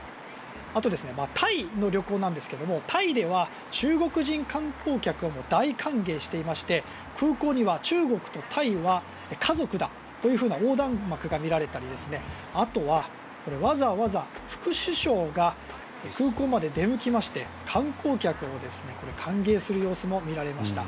あと、タイの旅行なんですけどもタイでは中国人観光客を大歓迎していまして空港には「中国とタイは家族だ」という横断幕が見られたりあとはわざわざ副首相が空港まで出向きまして観光客を歓迎する様子も見られました。